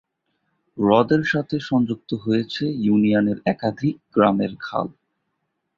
হ্রদের সাথে সংযুক্ত হয়েছে ইউনিয়নের একাধিক গ্রামের খাল।